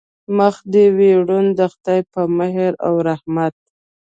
مخ دې وي روڼ د خدای په مهر و رحمت.